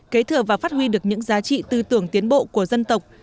kế thừa và phát huy được những giá trị tư tưởng tiến bộ của dân tộc